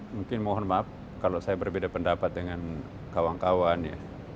mungkin mohon maaf kalau saya berbeda pendapat dengan kawan kawan ya